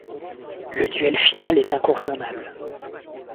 Le duel final est incontournable.